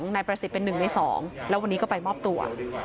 นายประสิทธิ์เป็น๑ใน๒แล้ววันนี้ก็ไปมอบตัว